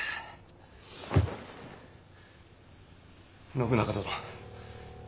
信長殿。